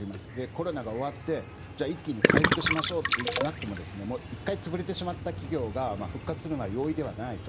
コロナが終わって一気に回復しましょうとなっても１回潰れてしまった企業が復活するのは容易ではないと。